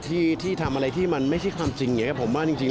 ที่ทำอะไรที่มันไม่ใช่ความจริงผมว่าจริง